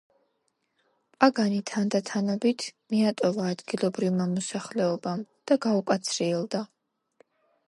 პაგანი თანდათანობით მიატოვა ადგილობრივმა მოსახლეობამ და გაუკაცრიელდა.